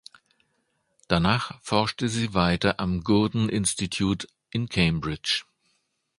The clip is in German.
Danach forschte sie weiter am "Gurdon Institute" in Cambridge.